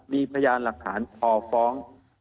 มีพยานหลักฐานพอฟ้อง